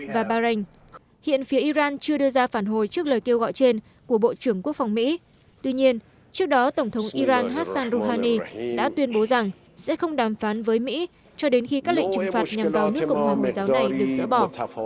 và bahrain hiện phía iran chưa đưa ra phản hồi trước lời kêu gọi trên của bộ trưởng quốc phòng mỹ tuy nhiên trước đó tổng thống iran hassan rouhani đã tuyên bố rằng sẽ không đàm phán với mỹ cho đến khi các lệnh trừng phạt nhằm vào nước cộng hòa hồi giáo này được dỡ bỏ